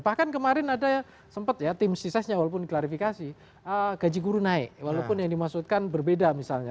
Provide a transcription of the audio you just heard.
bahkan kemarin ada sempat ya tim sisanya walaupun klarifikasi gaji guru naik walaupun yang dimaksudkan berbeda misalnya